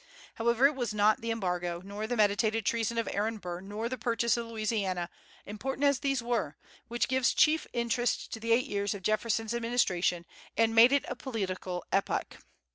However, it was not the Embargo, nor the meditated treason of Aaron Burr, nor the purchase of Louisiana, important as these were, which gives chief interest to the eight years of Jefferson's administration, and made it a political epoch.